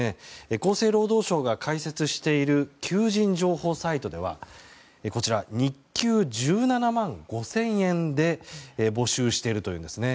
厚生労働省が開設している求人情報サイトでは日給１７万５０００円で募集しているというんですね。